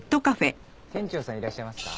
店長さんいらっしゃいますか？